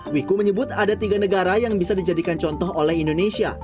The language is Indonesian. wiku menyebut ada tiga negara yang bisa dijadikan contoh oleh indonesia